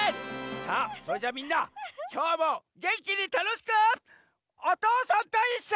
さあそれじゃあみんなきょうもげんきにたのしく「おとうさんといっしょ」。